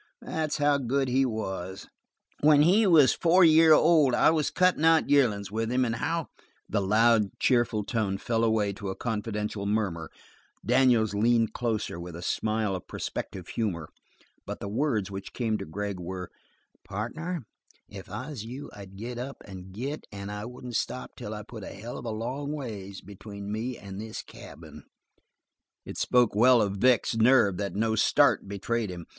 That's how good he was! When he was a four year old I was cutting out yearlin's with him, and how " The loud, cheerful tone fell away to a confidential murmur, Daniels leaned closer, with a smile of prospective humor, but the words which came to Gregg were: "Partner, if I was you I'd get up and git and I wouldn't stop till I put a hell of a long ways between me and this cabin!" It spoke well of Vic's nerve that no start betrayed him.